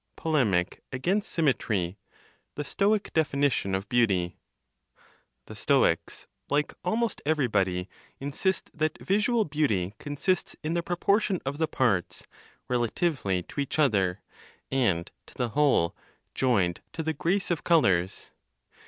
POLEMIC AGAINST SYMMETRY, THE STOIC DEFINITION OF BEAUTY. (The Stoics), like almost everybody, insist that visual beauty consists in the proportion of the parts relatively to each other and to the whole, joined to the grace of colors.